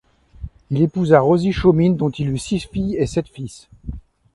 Il épousa Rosie Chaumine dont il eut six filles et sept fils.